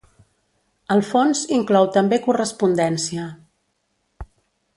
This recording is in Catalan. El fons inclou també correspondència.